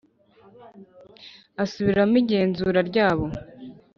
asubiramo igenzura ryabo